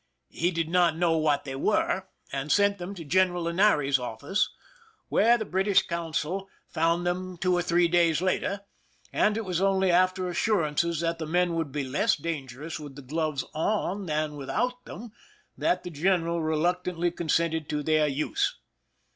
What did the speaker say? He did not know what they were, and sent them to General Linares's office, where the British consul found 238 PRISON LIFE^THE SIEGE them two or three days later ; and it was only after assurances that the men would be less dangerous with the gloves on than without them that the general reluctantly consented to their use.